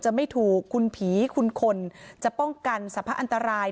ไม่ถูกคุณผีคุณคนจะป้องกันสรรพอันตราย